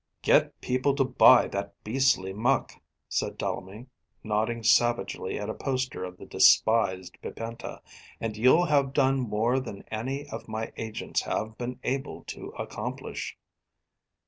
"Get people to buy that beastly muck," said Dullamy, nodding savagely at a poster of the despised Pipenta, "and you'll have done more than any of my agents have been able to accomplish."